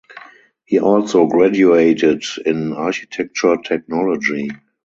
He also graduated in architecture technology.